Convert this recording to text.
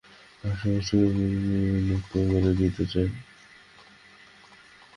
আর-সমস্তকেই কুমু লুপ্ত করে দিতে চায়।